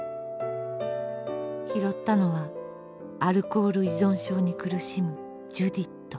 拾ったのはアルコール依存症に苦しむジュディット。